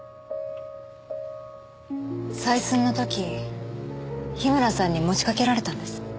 採寸の時樋村さんに持ちかけられたんです。